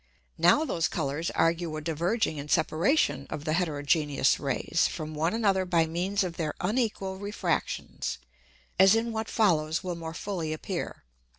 Now those Colours argue a diverging and separation of the heterogeneous Rays from one another by means of their unequal Refractions, as in what follows will more fully appear.